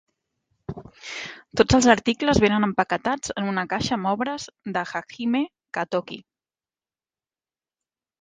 Tots els articles vénen empaquetats en una caixa amb obres de Hajime Katoki.